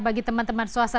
bagi teman teman swasta